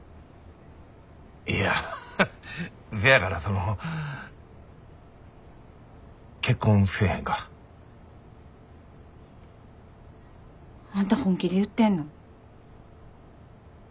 いやハハせやからその結婚せえへんか。あんた本気で言ってんの？